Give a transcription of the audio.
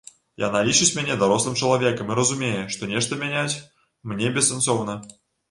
Яна лічыць мяне дарослым чалавекам і разумее, што нешта мяняць мне бессэнсоўна.